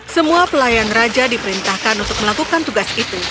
semua pelayan raja diperintahkan untuk melakukan tugas itu